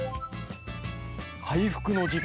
回復の時間！